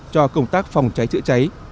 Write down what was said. cho công tác phòng cháy chữa cháy